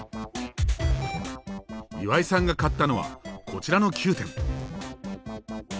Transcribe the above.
岩井さんが買ったのはこちらの９点。